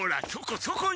そこに。